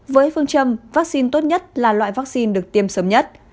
với phương châm vaccine tốt nhất là loại vaccine được tiêm sớm nhất